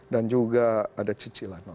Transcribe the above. dan juga ada cicilan